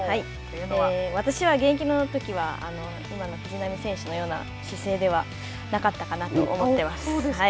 私は現役のときは今の藤波選手のような姿勢ではなかったかなと思っています。